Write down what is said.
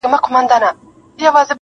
ازل مي دي په وینو کي نغمې راته کرلي!